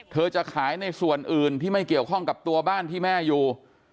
จะขายในส่วนอื่นที่ไม่เกี่ยวข้องกับตัวบ้านที่แม่อยู่